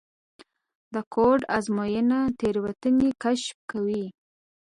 د کوډ ازموینه تېروتنې کشف کوي.